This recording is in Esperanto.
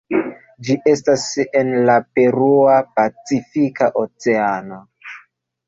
Ĝi estas en la Perua Pacifika Oceano.